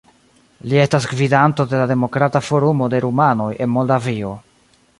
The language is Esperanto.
Li estas gvidanto de la Demokrata Forumo de Rumanoj en Moldavio.